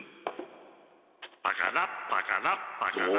パカラパカラパカラ。